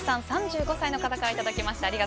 ３５歳の方からいただきました。